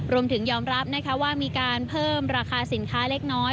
ยอมรับนะคะว่ามีการเพิ่มราคาสินค้าเล็กน้อย